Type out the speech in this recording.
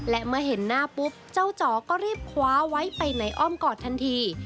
และเมื่อเห็นหน้าปุ๊บเจ้าจ๋อก็รีบคว้าไว้ไปในอ้อมกอดทันที